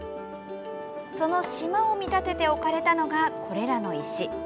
その島を見立てて置かれたのがこれらの石。